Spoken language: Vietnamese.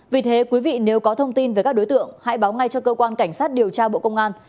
vì thế quý vị nếu có thông tin về các đối tượng hãy báo ngay cho cơ quan cảnh sát điều tra bộ công an